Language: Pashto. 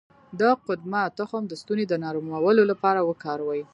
د قدومه تخم د ستوني د نرمولو لپاره وکاروئ